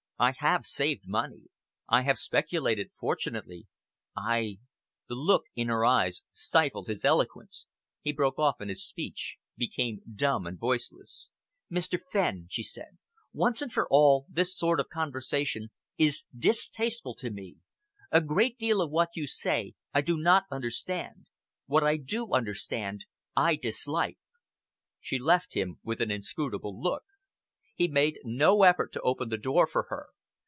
I have saved money, I have speculated fortunately I " The look in her eyes stifled his eloquence. He broke off in his speech became dumb and voiceless. "Mr. Fenn," she said, "once and for all this sort of conversation is distasteful to me. A great deal of what you say I do not understand. What I do understand, I dislike." She left him, with an inscrutable look. He made no effort to open the door for her.